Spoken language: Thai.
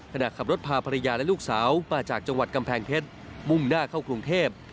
ขณะขับรถพาภรรยาและลูกสาวมาจากจังหวัดกำแพงเพชรมุ่งหน้าเข้ากรุงเทพ